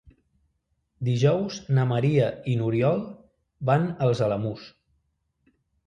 Dijous na Maria i n'Oriol van als Alamús.